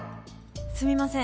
すみません。